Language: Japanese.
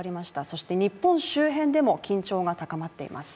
そして日本周辺でも緊張が高まっています。